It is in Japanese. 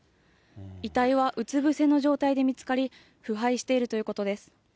遺体はうつぶせの状態で見つかり、腐敗しているということです。